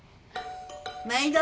・毎度。